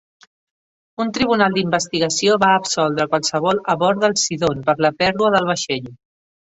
Un tribunal d'investigació va absoldre qualsevol a bord del "Sidon" per la pèrdua del vaixell.